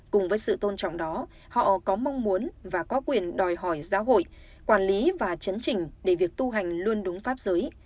cùng với sự tôn trọng đó họ có mong muốn và có quyền đòi hỏi giáo hội quản lý và chấn trình để việc tu hành luôn đúng pháp giới